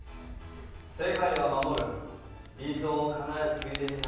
世界は守る、理想をかなえるついでにな！